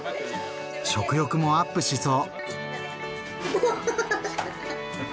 食欲もアップしそう！